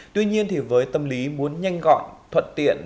tuy nhiên thì với tâm lý muốn nhanh gọn thuận tiện